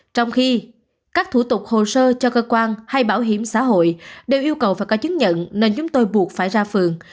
trong khi các thủ tục hồ sơ cho cơ quan hay bảo hiểm xã hội đều yêu cầu phải có chứng nhận nên chúng tôi buộc phải ra phường